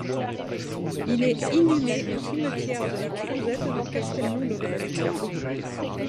Il est inhumé au cimetière de la Crouzette de Castelnau-le-Lez.